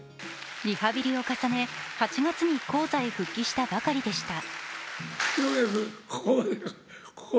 リハビリを重ね、８月に高座へ復帰したばかりでした。